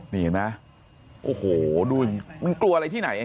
นี่เห็นไหมโอโหมันกลัวอะไรที่ไหนเห็นไหมฮะ